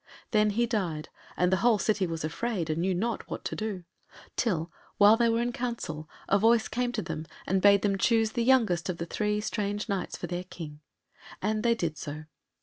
Then he died, and the whole city was afraid and knew not what to do, till while they were in counsel a voice came to them and bade them choose the youngest of the three strange Knights for their King. And they did so.